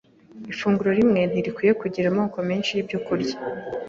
Ifunguro rimwe ntirikwiriye kugira amoko menshi y’ibyokurya,